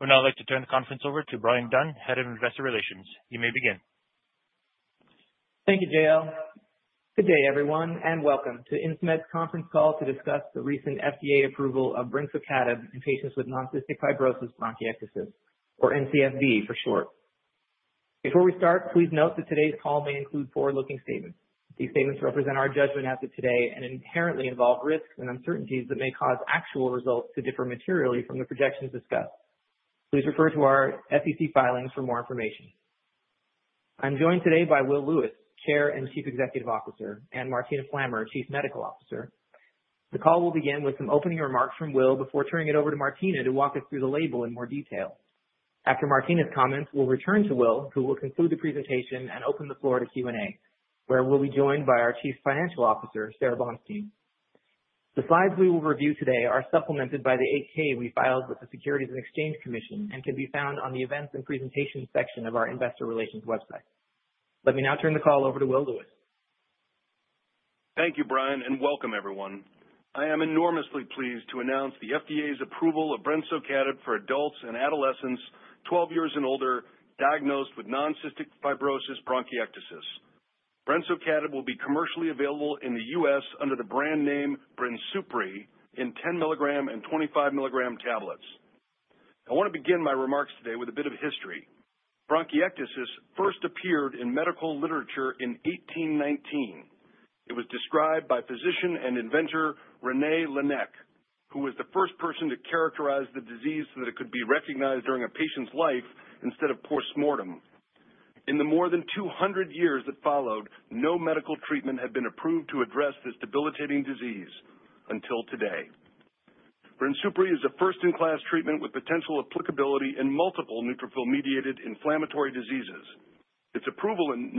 We'd now like to turn the conference over to Bryan Dunn, Head of Investor Relations. You may begin. Thank you, JL. Good day, everyone, and welcome to Insmed's conference call to discuss the recent FDA approval of Brinsupri in patients with non-cystic fibrosis bronchiectasis, or NCFB for short. Before we start, please note that today's call may include forward-looking statements. These statements represent our judgment as of today and inherently involve risks and uncertainties that may cause actual results to differ materially from the projections discussed. Please refer to our SEC filings for more information. I'm joined today by Will Lewis, Chair and Chief Executive Officer, and Martina Flammer, Chief Medical Officer. The call will begin with some opening remarks from Will before turning it over to Martina to walk us through the label in more detail. After Martina's comments, we'll return to Will, who will conclude the presentation and open the floor to Q&A, where we'll be joined by our Chief Financial Officer, Sara Bonstein. The slides we will review today are supplemented by the 8K we filed with the Securities and Exchange Commission and can be found on the Events and Presentations section of our Investor Relations website. Let me now turn the call over to Will Lewis. Thank you, Bryan, and welcome, everyone. I am enormously pleased to announce the FDA's approval of Brinqvist/Attab for adults and adolescents 12 years and older diagnosed with non-cystic fibrosis bronchiectasis. brensocatib will be commercially available in the U.S. under the brand name Brinsupri in 10 mg and 25 mg tablets. I want to begin my remarks today with a bit of history. Bronchiectasis first appeared in medical literature in 1819. It was described by physician and inventor René Laennec, who was the first person to characterize the disease so that it could be recognized during a patient's life instead of postmortem. In the more than 200 years that followed, no medical treatment had been approved to address this debilitating disease until today. Brinsupri is a first-in-class treatment with potential applicability in multiple neutrophil-mediated inflammatory diseases. Its approval in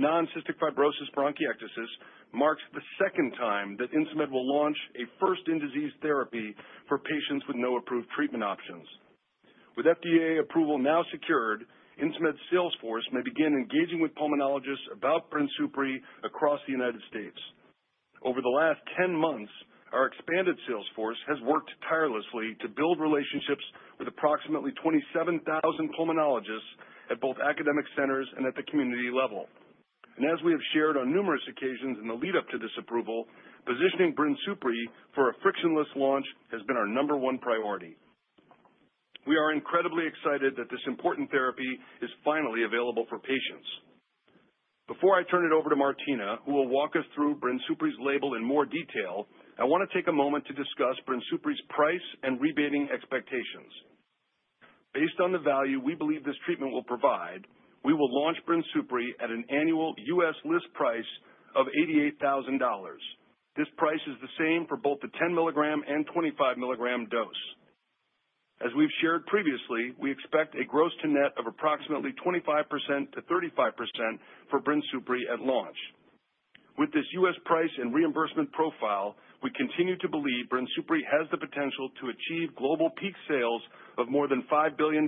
non-cystic fibrosis bronchiectasis marks the second time that Insmed will launch a first-in-disease therapy for patients with no approved treatment options. With FDA approval now secured, Insmed's sales force may begin engaging with pulmonologists about Brinsupri across the United States. Over the last 10 months, our expanded sales force has worked tirelessly to build relationships with approximately 27,000 pulmonologists at both academic centers and at the community level. As we have shared on numerous occasions in the lead-up to this approval, positioning Brinsupri for a frictionless launch has been our number one priority. We are incredibly excited that this important therapy is finally available for patients. Before I turn it over to Martina, who will walk us through Brinsupri's label in more detail, I want to take a moment to discuss Brinsupri's price and rebating expectations. Based on the value we believe this treatment will provide, we will launch Brinsupri at an annual U.S. list price of $88,000. This price is the same for both the 10 mg and 25 mg dose. As we've shared previously, we expect a gross to net of approximately 25%-35% for Brinsupri at launch. With this U.S. price and reimbursement profile, we continue to believe Brinsupri has the potential to achieve global peak sales of more than $5 billion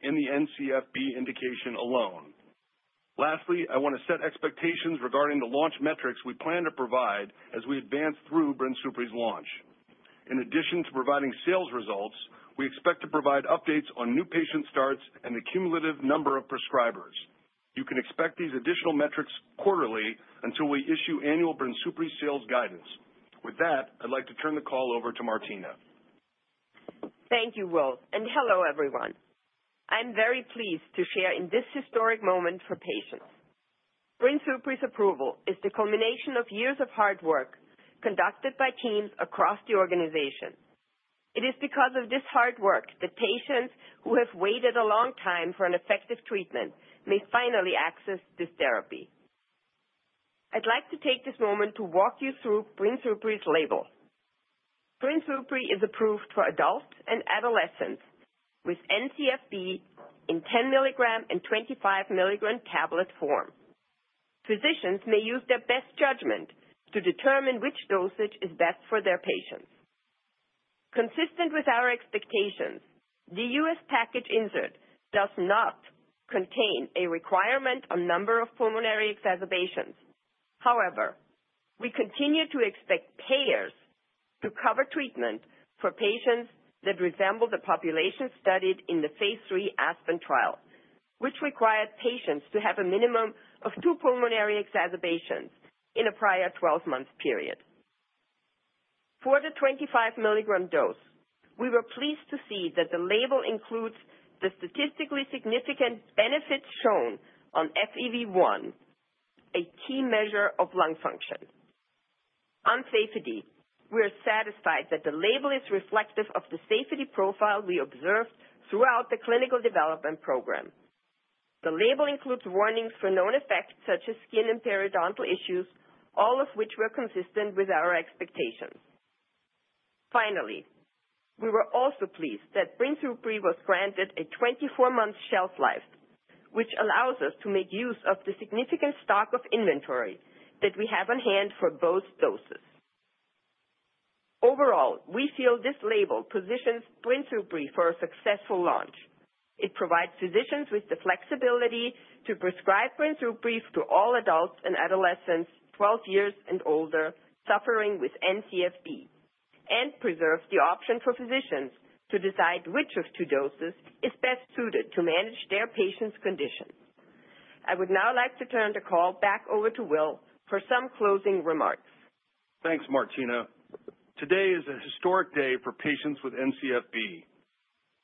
in the NCFB indication alone. Lastly, I want to set expectations regarding the launch metrics we plan to provide as we advance through Brinsupri's launch. In addition to providing sales results, we expect to provide updates on new patient starts and the cumulative number of prescribers. You can expect these additional metrics quarterly until we issue annual Brisupri sales guidance. With that, I'd like to turn the call over to Martina. Thank you, Will, and hello, everyone. I'm very pleased to share in this historic moment for patients. Brinsupri's approval is the culmination of years of hard work conducted by teams across the organization. It is because of this hard work that patients who have waited a long time for an effective treatment may finally access this therapy. I'd like to take this moment to walk you through Brinsupri's label. Brinsupri is approved for adults and adolescents with NCFB in 10 mg and 25 mg tablet form. Physicians may use their best judgment to determine which dosage is best for their patients. Consistent with our expectations, the U.S. package insert does not contain a requirement on number of pulmonary exacerbations. However, we continue to expect payers to cover treatment for patients that resemble the population studied in the phase III ASPEN trial, which required patients to have a minimum of two pulmonary exacerbations in a prior 12-month period. For the 25 mg dose, we were pleased to see that the label includes the statistically significant benefits shown on FEV1, a key measure of lung function. On safety, we are satisfied that the label is reflective of the safety profile we observed throughout the clinical development program. The label includes warnings for known effects such as skin and periodontal issues, all of which were consistent with our expectations. Finally, we were also pleased that Brinsupri was granted a 24-month shelf life, which allows us to make use of the significant stock of inventory that we have on hand for both doses. Overall, we feel this label positions Brinsupri for a successful launch. It provides physicians with the flexibility to prescribe Brinsupri to all adults and adolescents 12 years and older suffering with NCFB and preserves the option for physicians to decide which of two doses is best suited to manage their patient's condition. I would now like to turn the call back over to Will for some closing remarks. Thanks, Martina. Today is a historic day for patients with NCFB.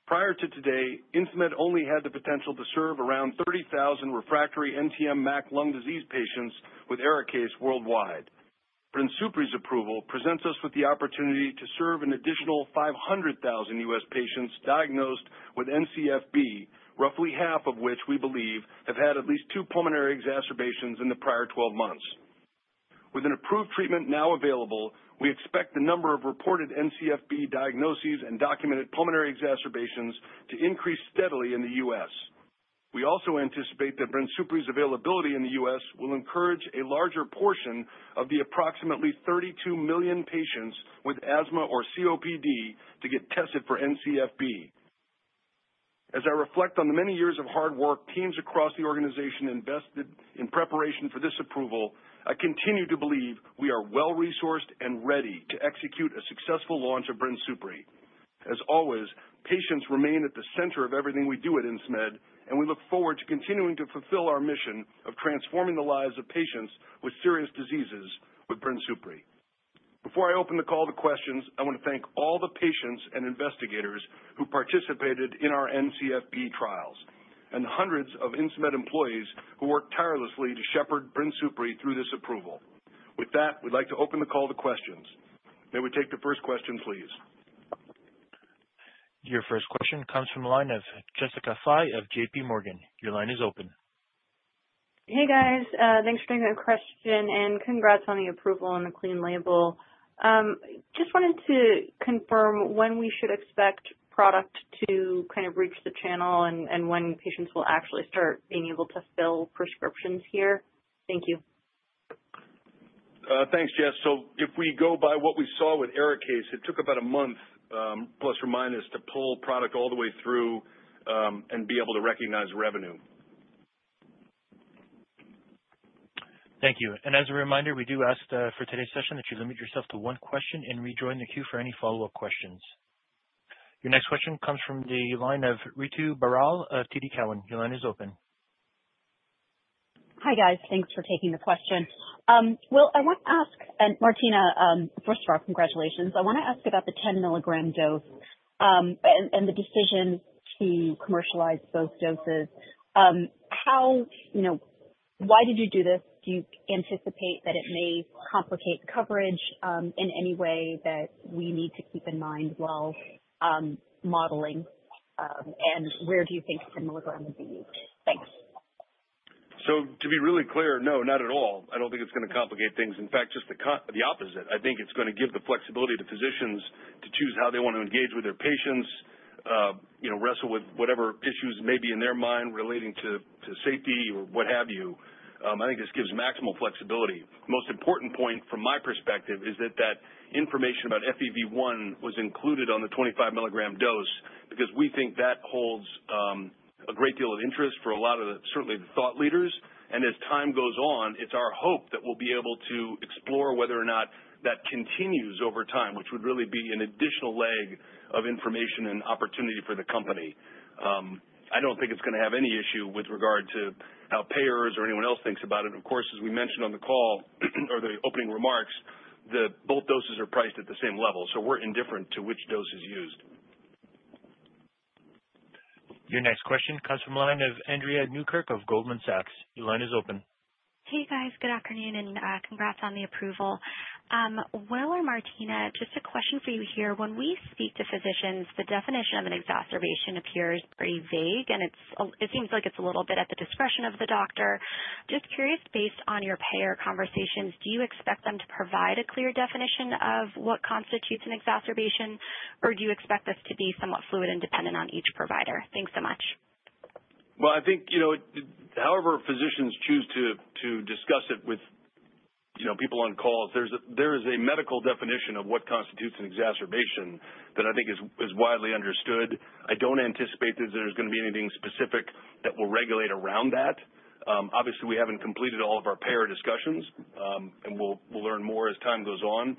Prior to today, Insmed only had the potential to serve around 30,000 refractory NTM MAC lung disease patients with ARIKAYCE worldwide. Brinsupri's approval presents us with the opportunity to serve an additional 500,000 U.S. patients diagnosed with NCFB, roughly half of which we believe have had at least two pulmonary exacerbations in the prior 12 months. With an approved treatment now available, we expect the number of reported NCFB diagnoses and documented pulmonary exacerbations to increase steadily in the U.S. We also anticipate that Brinsupri's availability in the U.S. will encourage a larger portion of the approximately 32 million patients with asthma or COPD to get tested for NCFB. As I reflect on the many years of hard work teams across the organization invested in preparation for this approval, I continue to believe we are well-resourced and ready to execute a successful launch of Brinsupri. As always, patients remain at the center of everything we do at Insmed, and we look forward to continuing to fulfill our mission of transforming the lives of patients with serious diseases with Brinsupri. Before I open the call to questions, I want to thank all the patients and investigators who participated in our NCFB trials and the hundreds of Insmed employees who worked tirelessly to shepherd Brinsupri through this approval. With that, we'd like to open the call to questions. May we take the first question, please? Your first question comes from a line of Jessica Fye of JPMorgan. Your line is open. Hey, guys. Thanks for taking the question and congrats on the approval and the clean label. Just wanted to confirm when we should expect product to kind of reach the channel and when patients will actually start being able to fill prescriptions here. Thank you. Thanks, Jess. If we go by what we saw with ARIKAYCE, it took about a month, plus or minus, to pull product all the way through and be able to recognize revenue. Thank you. As a reminder, we do ask for today's session that you limit yourself to one question and rejoin the queue for any follow-up questions. Your next question comes from the line of Ritu Baral of TD Cowen. Your line is open. Hi, guys. Thanks for taking the question. Will, I want to ask, and Martina, first of all, congratulations. I want to ask about the 10 mg dose and the decision to commercialize both doses. How, you know, why did you do this? Do you anticipate that it may complicate coverage in any way that we need to keep in mind while modeling? Where do you think the mg would be used? Thanks. To be really clear, no, not at all. I don't think it's going to complicate things. In fact, just the opposite. I think it's going to give the flexibility to physicians to choose how they want to engage with their patients, wrestle with whatever issues may be in their mind relating to safety or what have you. I think this gives maximal flexibility. The most important point from my perspective is that information about FEV1 was included on the 25 mg dose because we think that holds a great deal of interest for a lot of the, certainly, the thought leaders. As time goes on, it's our hope that we'll be able to explore whether or not that continues over time, which would really be an additional leg of information and opportunity for the company. I don't think it's going to have any issue with regard to how payers or anyone else thinks about it. Of course, as we mentioned on the call or the opening remarks, both doses are priced at the same level. We're indifferent to which dose is used. Your next question comes from a line of Andrea Newkirk of Goldman Sachs. Your line is open. Hey, guys. Good afternoon and congrats on the approval. Will or Martina, just a question for you here. When we speak to physicians, the definition of an exacerbation appears very vague, and it seems like it's a little bit at the discretion of the doctor. Just curious, based on your payer conversations, do you expect them to provide a clear definition of what constitutes an exacerbation, or do you expect this to be somewhat fluid and dependent on each provider? Thanks so much. I think, you know, however physicians choose to discuss it with, you know, people on calls, there is a medical definition of what constitutes an exacerbation that I think is widely understood. I don't anticipate that there's going to be anything specific that will regulate around that. Obviously, we haven't completed all of our payer discussions, and we'll learn more as time goes on.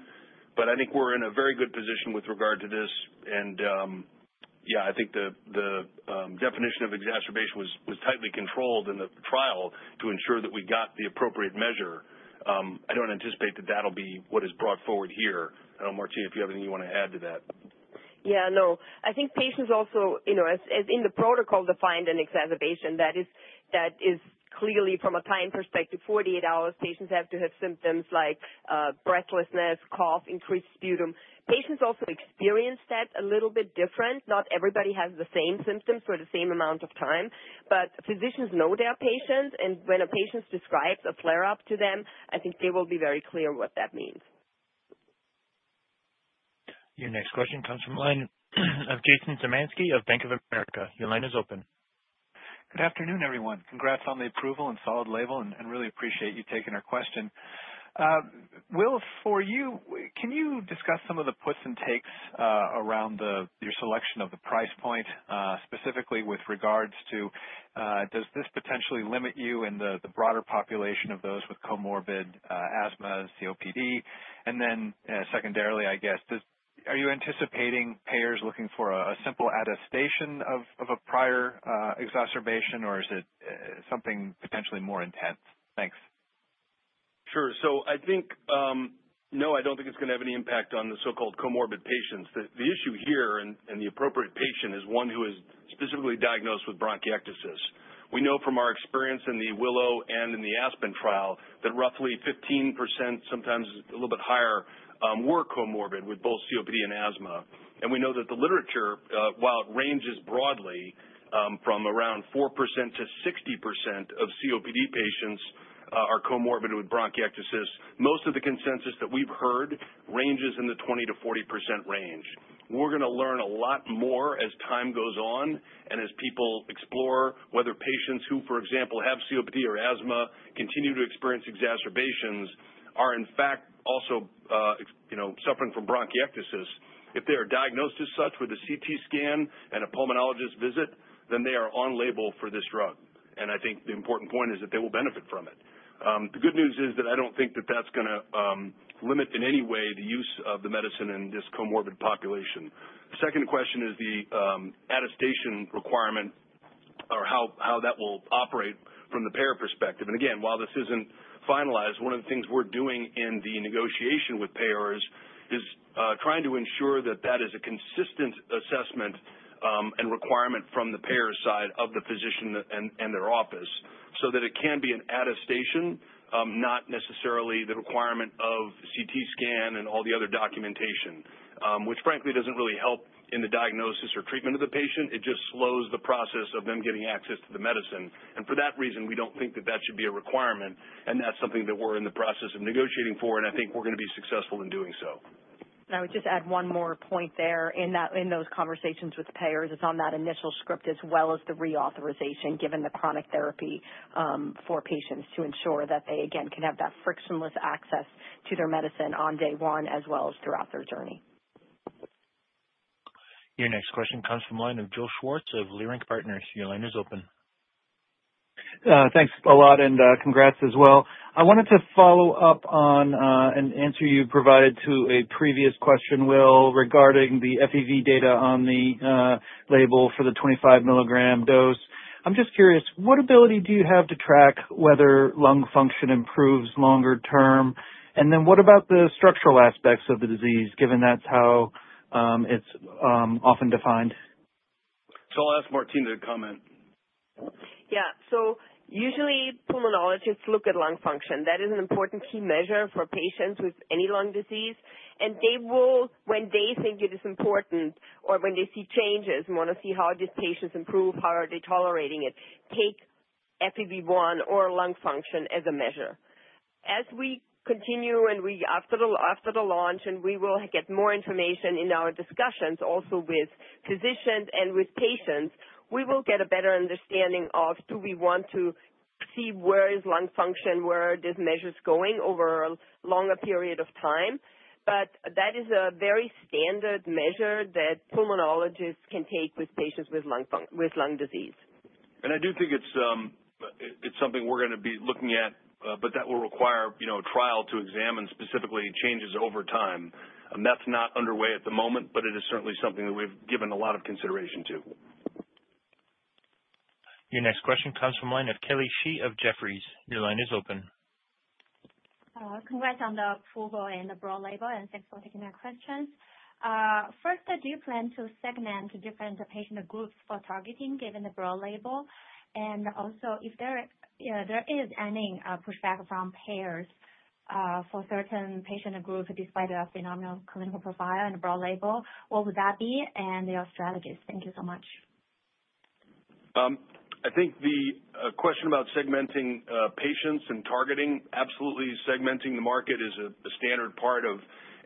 I think we're in a very good position with regard to this. I think the definition of exacerbation was tightly controlled in the trial to ensure that we got the appropriate measure. I don't anticipate that that'll be what is brought forward here. I don't know, Martina, if you have anything you want to add to that. I think patients also, as in the protocol defined an exacerbation, that is clearly from a time perspective, 48 hours, patients have to have symptoms like breathlessness, cough, increased sputum. Patients also experience that a little bit different. Not everybody has the same symptoms for the same amount of time. Physicians know their patients, and when a patient describes a flare-up to them, I think they will be very clear what that means. Your next question comes from the line of Jason Zemansky of Bank of America. Your line is open. Good afternoon, everyone. Congrats on the approval and solid label, and really appreciate you taking our question. Will, for you, can you discuss some of the puts and takes around your selection of the price point, specifically with regards to does this potentially limit you in the broader population of those with comorbid asthma, COPD? Secondarily, I guess, are you anticipating payers looking for a simple attestation of a prior exacerbation, or is it something potentially more intense? Thanks. Sure. I don't think it's going to have any impact on the so-called comorbid patients. The issue here and the appropriate patient is one who is specifically diagnosed with bronchiectasis. We know from our experience in the Willow and in the ASPEN trial that roughly 15%, sometimes a little bit higher, were comorbid with both COPD and asthma. We know that the literature, while it ranges broadly from around 4%-60% of COPD patients are comorbid with bronchiectasis, most of the consensus that we've heard ranges in the 20%-40% range. We're going to learn a lot more as time goes on and as people explore whether patients who, for example, have COPD or asthma, continue to experience exacerbations, are in fact also suffering from bronchiectasis. If they are diagnosed as such with a CT scan and a pulmonologist visit, then they are on label for this drug. I think the important point is that they will benefit from it. The good news is that I don't think that's going to limit in any way the use of the medicine in this comorbid population. The second question is the attestation requirement or how that will operate from the payer perspective. Again, while this isn't finalized, one of the things we're doing in the negotiation with payers is trying to ensure that that is a consistent assessment and requirement from the payer's side of the physician and their office so that it can be an attestation, not necessarily the requirement of CT scan and all the other documentation, which frankly doesn't really help in the diagnosis or treatment of the patient. It just slows the process of them getting access to the medicine. For that reason, we don't think that that should be a requirement. That's something that we're in the process of negotiating for, and I think we're going to be successful in doing so. I would just add one more point there. In those conversations with payers, it's on that initial script as well as the reauthorization, given the chronic therapy for patients, to ensure that they, again, can have that frictionless access to their medicine on day one as well as throughout their journey. Your next question comes from a line of Joe Schwartz of Leerink Partners. Your line is open. Thanks a lot, and congrats as well. I wanted to follow up on an answer you provided to a previous question, Will, regarding the FEV data on the label for the 25 mg dose. I'm just curious, what ability do you have to track whether lung function improves longer term? What about the structural aspects of the disease, given that's how it's often defined? I'll ask Martina to comment. Yeah. Usually, pulmonologists look at lung function. That is an important key measure for patients with any lung disease. They will, when they think it is important or when they see changes and want to see how these patients improve, how are they tolerating it, take FEV1 or lung function as a measure. As we continue and after the launch, we will get more information in our discussions also with physicians and with patients. We will get a better understanding of do we want to see where is lung function, where are these measures going over a longer period of time. That is a very standard measure that pulmonologists can take with patients with lung disease. I do think it's something we're going to be looking at, but that will require a trial to examine specifically changes over time. That's not underway at the moment, but it is certainly something that we've given a lot of consideration to. Your next question comes from a line of Kelly Shee of Jefferies. Your line is open. Congrats on the approval and the broad label, and thanks for taking our questions. First, do you plan to segment different patient groups for targeting given the broad label? Also, if there is any pushback from payers for certain patient groups despite a phenomenal clinical profile and the broad label, what would that be and your strategies? Thank you so much. I think the question about segmenting patients and targeting, absolutely, segmenting the market is a standard part of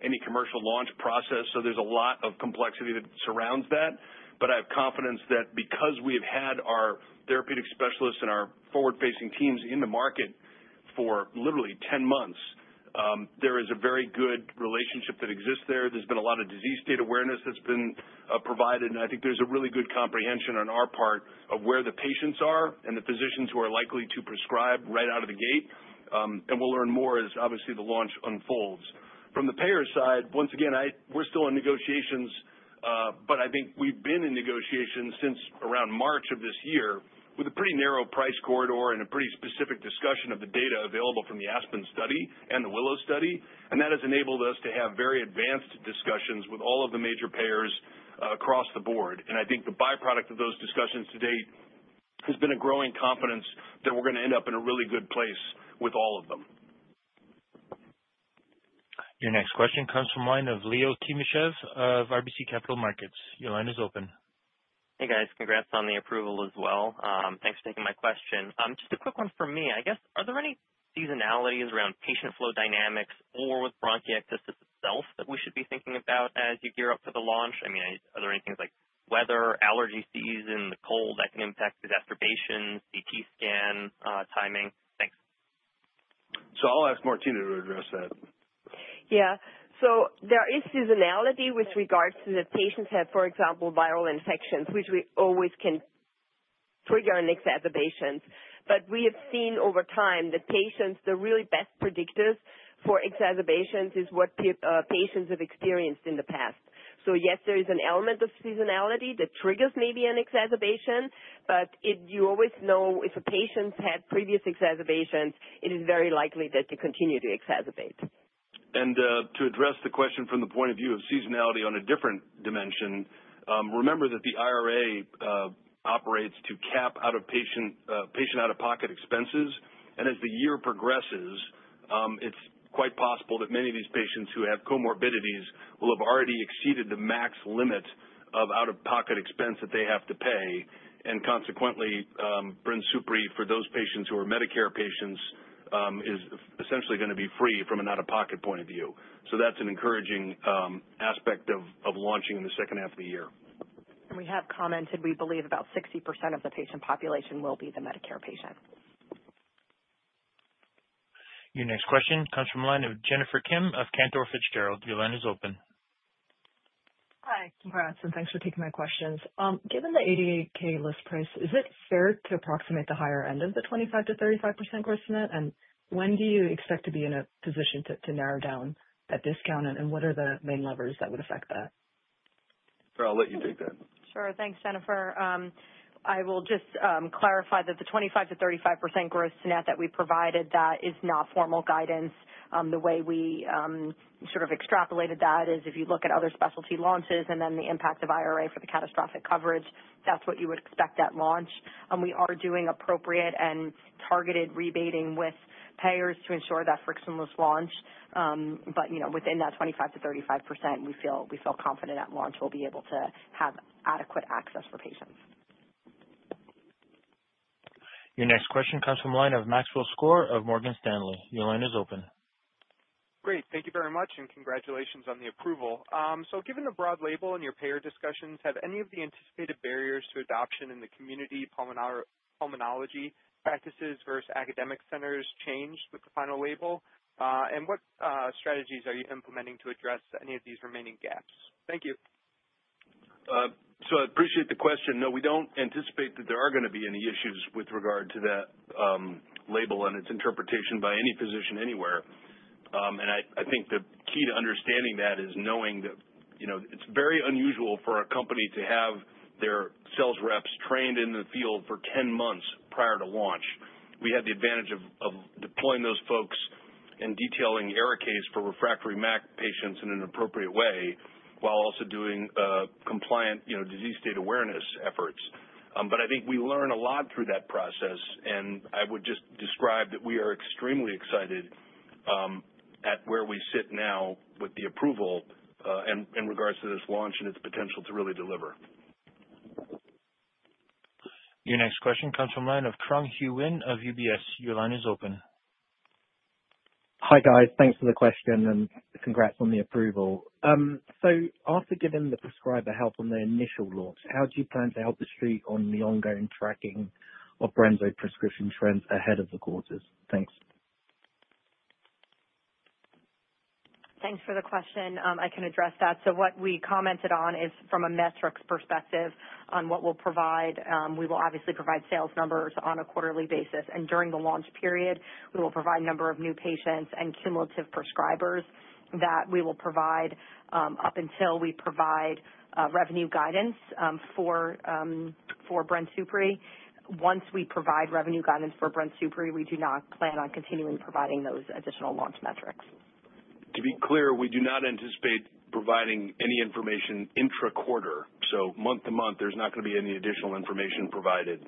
any commercial launch process. There is a lot of complexity that surrounds that. I have confidence that because we have had our therapeutic specialists and our forward-facing teams in the market for literally 10 months, there is a very good relationship that exists there. There has been a lot of disease state awareness that's been provided. I think there's a really good comprehension on our part of where the patients are and the physicians who are likely to prescribe right out of the gate. We'll learn more as obviously the launch unfolds. From the payer's side, once again, we're still in negotiations. I think we've been in negotiations since around March of this year with a pretty narrow price corridor and a pretty specific discussion of the data available from the ASPEN study and the WILLOW study. That has enabled us to have very advanced discussions with all of the major payers across the board. I think the byproduct of those discussions to date has been a growing confidence that we're going to end up in a really good place with all of them. Your next question comes from a line of Leo Timashev of RBC Capital Markets. Your line is open. Hey, guys. Congrats on the approval as well. Thanks for taking my question. Just a quick one for me. I guess, are there any seasonalities around patient flow dynamics or with bronchiectasis itself that we should be thinking about as you gear up for the launch? I mean, are there any things like weather, allergy season, the cold that can impact exacerbations, CT scan timing? Thanks. I'll ask Martina to address that. Yeah. There is seasonality with regards to the patients. For example, viral infections can trigger an exacerbation. We have seen over time the really best predictors for exacerbations is what patients have experienced in the past. Yes, there is an element of seasonality that triggers maybe an exacerbation. You always know if a patient's had previous exacerbations, it is very likely that they continue to exacerbate. To address the question from the point of view of seasonality on a different dimension, remember that the IRA operates to cap out-of-pocket expenses. As the year progresses, it's quite possible that many of these patients who have comorbidities will have already exceeded the max limit of out-of-pocket expense that they have to pay. Consequently, Brinsupri for those patients who are Medicare patients is essentially going to be free from an out-of-pocket point of view. That's an encouraging aspect of launching in the second half of the year. We have commented, we believe, about 60% of the patient population will be the Medicare patient. Your next question comes from the line of Jennifer Kim of Cantor Fitzgerald. Your line is open. Hi. Congrats and thanks for taking my questions. Given the $88,000 list price, is it fair to approximate the higher end of the 25%-35% gross to net? When do you expect to be in a position to narrow down that discount? What are the main levers that would affect that? Sure, I'll let you take that. Sure. Thanks, Jennifer. I will just clarify that the 25%-35% gross to net that we provided, that is not formal guidance. The way we sort of extrapolated that is if you look at other specialty launches and then the impact of IRA for the catastrophic coverage, that's what you would expect at launch. We are doing appropriate and targeted rebating with payers to ensure that frictionless launch. Within that 25% to 35%, we feel confident at launch we'll be able to have adequate access for patients. Your next question comes from the line of Maxwell Skor of Morgan Stanley. Your line is open. Great. Thank you very much, and congratulations on the approval. Given the broad label and your payer discussions, have any of the anticipated barriers to adoption in the community pulmonology practices versus academic centers changed with the final label? What strategies are you implementing to address any of these remaining gaps? Thank you. I appreciate the question. No, we don't anticipate that there are going to be any issues with regard to that label and its interpretation by any physician anywhere. I think the key to understanding that is knowing that it's very unusual for a company to have their sales reps trained in the field for 10 months prior to launch. We had the advantage of deploying those folks and detailing ARIKAYCE for refractory MAC patients in an appropriate way while also doing compliant disease state awareness efforts. I think we learn a lot through that process. I would just describe that we are extremely excited at where we sit now with the approval in regards to this launch and its potential to really deliver. Your next question comes from the line of Kwang Huyun of UBS. Your line is open. Hi, guys. Thanks for the question and congrats on the approval. After giving the prescriber help on their initial launch, how do you plan to help the street on the ongoing tracking of Brinsupri prescription trends ahead of the quarters? Thanks. Thanks for the question. I can address that. What we commented on is from a metrics perspective on what we'll provide. We will obviously provide sales numbers on a quarterly basis. During the launch period, we will provide a number of new patients and cumulative prescribers that we will provide up until we provide revenue guidance for Brinsupri. Once we provide revenue guidance for Brinsupri, we do not plan on continuing providing those additional launch metrics. To be clear, we do not anticipate providing any information intra-quarter. Month to month, there's not going to be any additional information provided.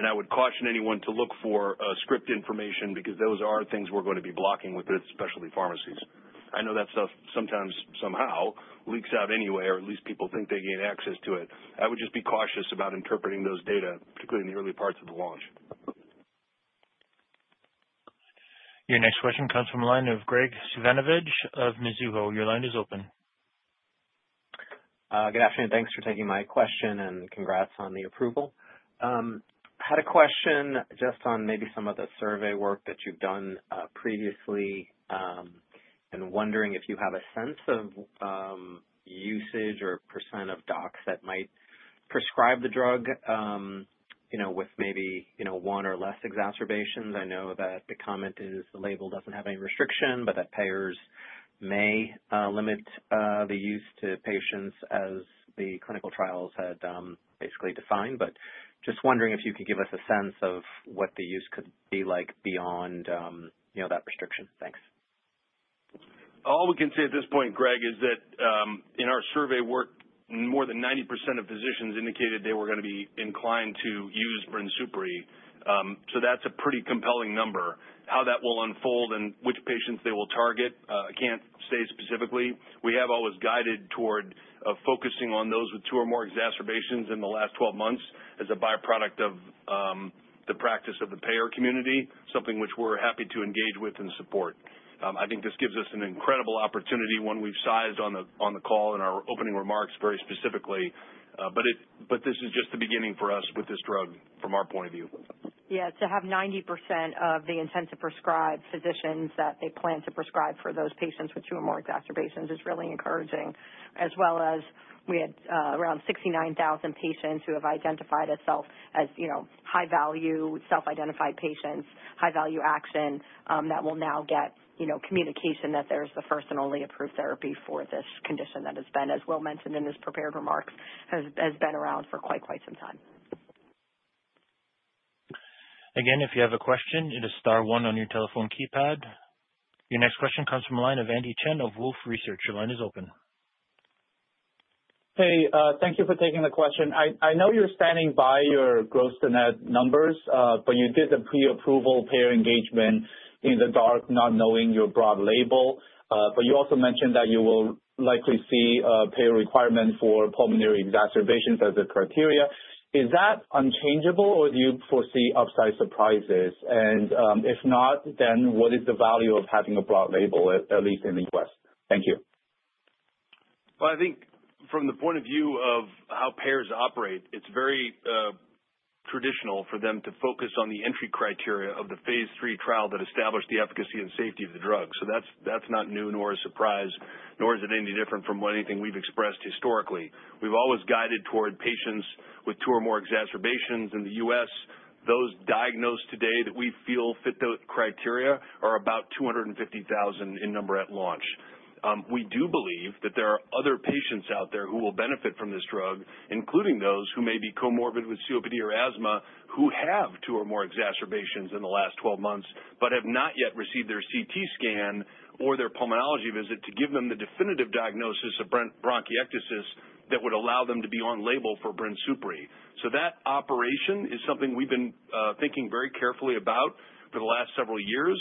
I would caution anyone to look for script information because those are things we're going to be blocking with the specialty pharmacies. I know that stuff sometimes somehow leaks out anyway, or at least people think they gain access to it. I would just be cautious about interpreting those data, particularly in the early parts of the launch. Your next question comes from the line of Graig Suvannavejh of Mizuho. Your line is open. Good afternoon. Thanks for taking my question and congrats on the approval. I had a question just on maybe some of the survey work that you've done previously and wondering if you have a sense of usage or percent of docs that might prescribe the drug, you know, with maybe one or less exacerbations. I know that the comment is the label doesn't have any restriction, but that payers may limit the use to patients as the clinical trials had basically defined. Just wondering if you could give us a sense of what the use could be like beyond that restriction. Thanks. All we can say at this point, Graig, is that in our survey work, more than 90% of physicians indicated they were going to be inclined to use Brinsupri. That's a pretty compelling number. How that will unfold and which patients they will target, I can't say specifically. We have always guided toward focusing on those with two or more exacerbations in the last 12 months as a byproduct of the practice of the payer community, something which we're happy to engage with and support. I think this gives us an incredible opportunity, which we've sized on the call in our opening remarks very specifically. This is just the beginning for us with this drug from our point of view. Yeah. To have 90% of the intensive prescribed physicians that they plan to prescribe for those patients with two or more exacerbations is really encouraging. As well as we had around 69,000 patients who have identified itself as, you know, high-value self-identified patients, high-value action that will now get, you know, communication that there's the first and only approved therapy for this condition that has been, as Will mentioned in his prepared remarks, has been around for quite, quite some time. Again, if you have a question, it is star one on your telephone keypad. Your next question comes from a line of Andy Chen of Wolfe Research. Your line is open. Thank you for taking the question. I know you're standing by your gross to net numbers. You did the pre-approval payer engagement in the dark, not knowing your broad label. You also mentioned that you will likely see a payer requirement for pulmonary exacerbations as a criteria. Is that unchangeable, or do you foresee upside surprises? If not, what is the value of having a broad label, at least in the U.S.? Thank you. I think from the point of view of how payers operate, it's very traditional for them to focus on the entry criteria of the phase III trial that established the efficacy and safety of the drug. That's not new, nor a surprise, nor is it any different from anything we've expressed historically. We've always guided toward patients with two or more exacerbations in the U.S. Those diagnosed today that we feel fit the criteria are about 250,000 in number at launch. We do believe that there are other patients out there who will benefit from this drug, including those who may be comorbid with COPD or asthma, who have two or more exacerbations in the last 12 months but have not yet received their CT scan or their pulmonology visit to give them the definitive diagnosis of bronchiectasis that would allow them to be on label for Brinsupri. That operation is something we've been thinking very carefully about for the last several years.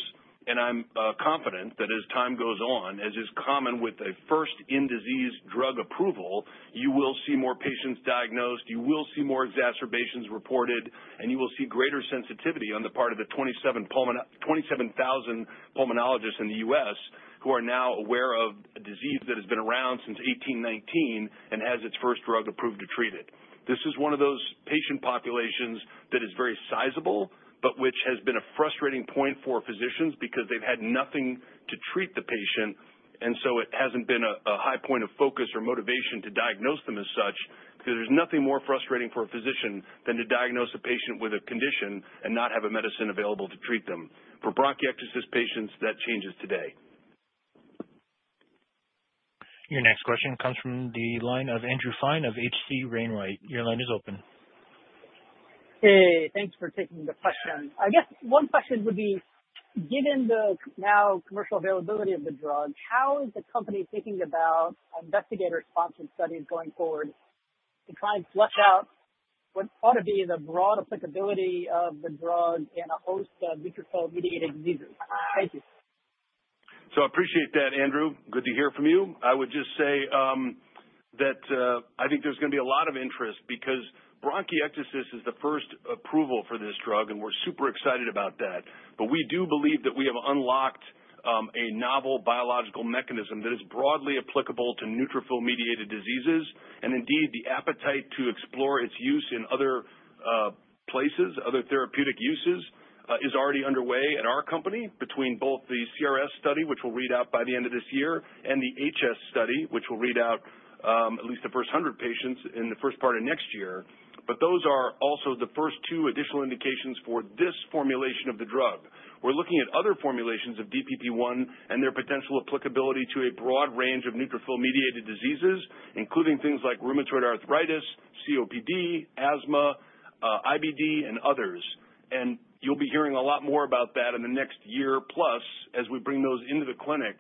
I'm confident that as time goes on, as is common with a first in-disease drug approval, you will see more patients diagnosed, you will see more exacerbations reported, and you will see greater sensitivity on the part of the 27,000 pulmonologists in the U.S. who are now aware of a disease that has been around since 1819 and has its first drug approved to treat it. This is one of those patient populations that is very sizable, but which has been a frustrating point for physicians because they've had nothing to treat the patient. It hasn't been a high point of focus or motivation to diagnose them as such because there's nothing more frustrating for a physician than to diagnose a patient with a condition and not have a medicine available to treat them. For bronchiectasis patients, that changes today. Your next question comes from the line of Andrew Fine of H.C. Wainwright. Your line is open. Hey, thanks for taking the question. I guess one question would be, given the now commercial availability of the drug, how is the company thinking about investigator-sponsored studies going forward to try and flush out what ought to be the broad applicability of the drug in a host of neutrophil-mediated diseases? Thank you. I appreciate that, Andrew. Good to hear from you. I would just say that I think there's going to be a lot of interest because bronchiectasis is the first approval for this drug, and we're super excited about that. We do believe that we have unlocked a novel biological mechanism that is broadly applicable to neutrophil-mediated diseases. Indeed, the appetite to explore its use in other places, other therapeutic uses, is already underway at our company between both the CRS study, which we'll read out by the end of this year, and the HS study, which we'll read out at least the first 100 patients in the first part of next year. Those are also the first two additional indications for this formulation of the drug. We're looking at other formulations of DPP-1 and their potential applicability to a broad range of neutrophil-mediated diseases, including things like rheumatoid arthritis, COPD, asthma, IBD, and others. You'll be hearing a lot more about that in the next year plus as we bring those into the clinic.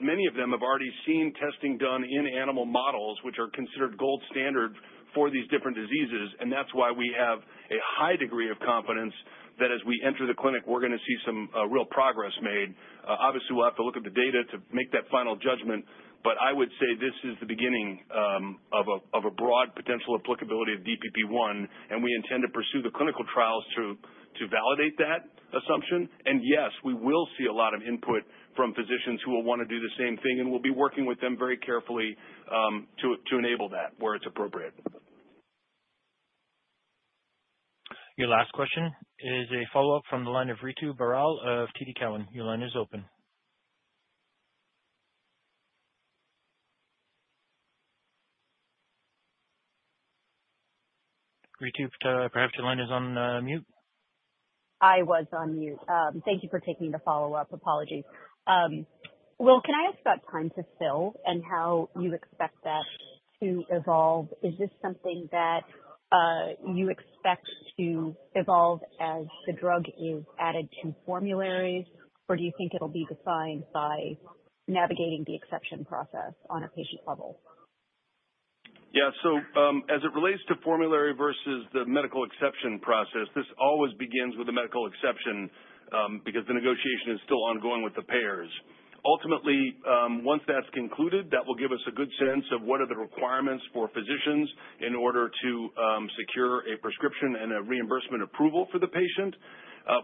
Many of them have already seen testing done in animal models, which are considered gold standard for these different diseases. That's why we have a high degree of confidence that as we enter the clinic, we're going to see some real progress made. Obviously, we'll have to look at the data to make that final judgment. I would say this is the beginning of a broad potential applicability of DPP-1. We intend to pursue the clinical trials to validate that assumption. Yes, we will see a lot of input from physicians who will want to do the same thing. We'll be working with them very carefully to enable that where it's appropriate. Your last question is a follow-up from the line of Ritu Baral of TD Cowen. Your line is open. Ritu, perhaps your line is on mute. I was on mute. Thank you for taking the follow-up. Apologies. Will, can I ask about time to fill and how you expect that to evolve? Is this something that you expect to evolve as the drug is added to formularies, or do you think it'll be defined by navigating the exception process on a patient level? Yeah. As it relates to formulary versus the medical exception process, this always begins with a medical exception because the negotiation is still ongoing with the payers. Ultimately, once that's concluded, that will give us a good sense of what are the requirements for physicians in order to secure a prescription and a reimbursement approval for the patient.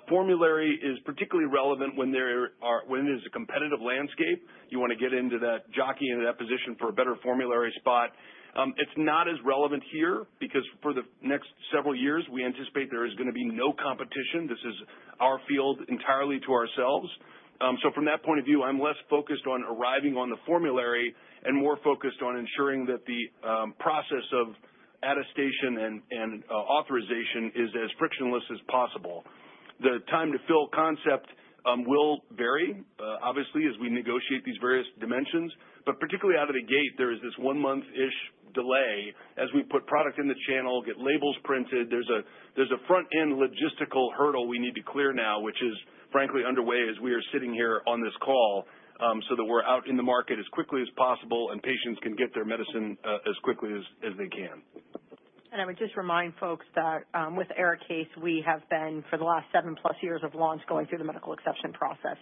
Formulary is particularly relevant when it is a competitive landscape. You want to get into that jockey and that position for a better formulary spot. It is not as relevant here because for the next several years, we anticipate there is going to be no competition. This is our field entirely to ourselves. From that point of view, I'm less focused on arriving on the formulary and more focused on ensuring that the process of attestation and authorization is as frictionless as possible. The time to fill concept will vary, obviously, as we negotiate these various dimensions. Particularly out of the gate, there is this one-month-ish delay as we put product in the channel, get labels printed. There is a front-end logistical hurdle we need to clear now, which is frankly underway as we are sitting here on this call so that we're out in the market as quickly as possible and patients can get their medicine as quickly as they can. I would just remind folks that with ARIKAYCE, we have been for the last 7+ years of launch going through the medical exception process.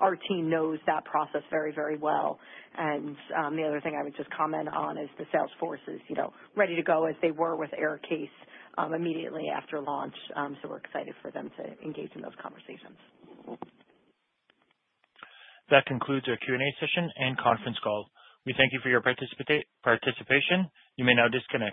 Our team knows that process very, very well. The other thing I would just comment on is the sales force is ready to go as they were with ARIKAYCE immediately after launch. We're excited for them to engage in those conversations. That concludes our Q&A session and conference call. We thank you for your participation. You may now discontinue.